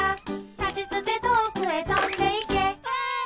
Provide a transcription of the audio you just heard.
「たちつてとおくへとんでいけ」わい！